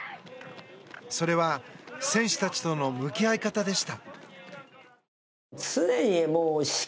それは選手たちとの向き合い方でした。